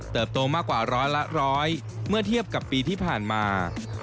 โตมากกว่าร้อยละร้อยเมื่อเทียบกับปีที่ผ่านมา